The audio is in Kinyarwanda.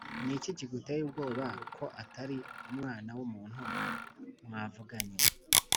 Niki kiguteye ubwoba ko Atari umwana wumuntu mwavuganye